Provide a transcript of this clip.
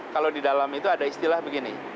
kalau di dalam itu ada istilah begini